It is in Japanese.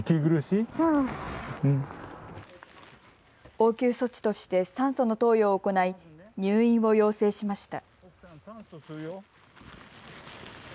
応急措置として酸素の投与を行い入院を要請しました。